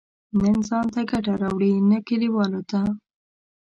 نه ځان ته ګټه راوړي، نه کلیوالو ته.